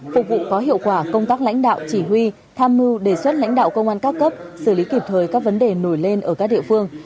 phục vụ có hiệu quả công tác lãnh đạo chỉ huy tham mưu đề xuất lãnh đạo công an các cấp xử lý kịp thời các vấn đề nổi lên ở các địa phương